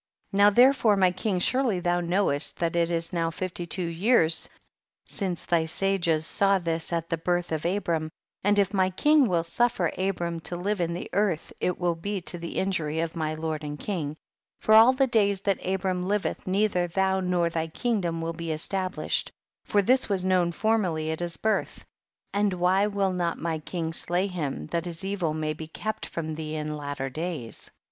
57. Now therefore my king, surely thou knowest that it is now fifty two years since thy sages saw this at the birth of Abram, and if my king will suffer Abram to live in the earth it will be to the injury of my lord and king, for all the days that Abram liveth neither thou nor thy kingdom will be established, for this was known formerly at his birth ; and why will not my king slay him, that his evil may be kept from thee in latter days f 58.